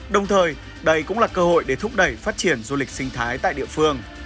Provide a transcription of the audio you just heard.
đồng thời đây cũng là cơ hội để thúc đẩy phát triển du lịch sinh thái tại địa phương